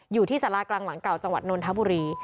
อยู่ที่สารากลางหลังเก่าจังหวัดนนทบุรี